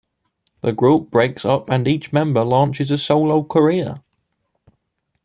The group breaks up and each member launches a solo career.